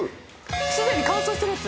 すでに乾燥してるやつ。